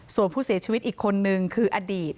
ส่วนผู้เสียชีวิตอีกคนนึงคืออดีต